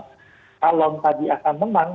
maka biasanya saham saham tersebut akan menang